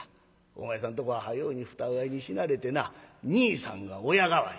お前さんとこは早うに二親に死なれてな兄さんが親代わり。